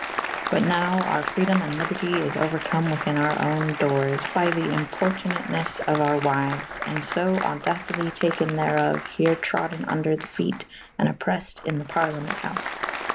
But nowe our fredome & lybertie is ouercome within our owne dores by the importunatnes of our wyues / and fo audi citie" take« therof here troden vnder the fete / and oppreffed in the parlyament houfe